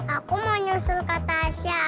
aku mau nyusul kak tasya